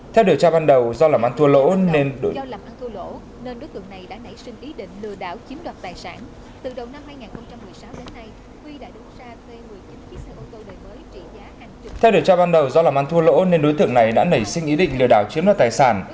theo điều tra ban đầu do làm ăn thua lỗ nên đối tượng này đã nảy sinh ý định lừa đảo chiếm đoạt tài sản